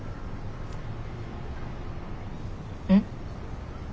うん？